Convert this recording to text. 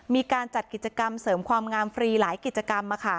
มีการจัดกิจกรรมเสริมความงามฟรีหลายกิจกรรม